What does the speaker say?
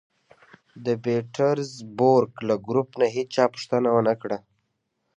د پېټرزبورګ له ګروپ نه هېچا پوښتنه و نه کړه